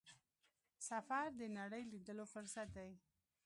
سفر د نړۍ لیدلو فرصت دی.